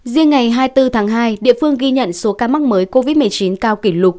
riêng ngày hai mươi bốn tháng hai địa phương ghi nhận số ca mắc mới covid một mươi chín cao kỷ lục